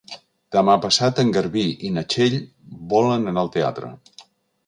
Demà passat en Garbí i na Txell volen anar al teatre.